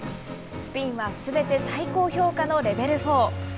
スピンはすべて最高評価のレベル４。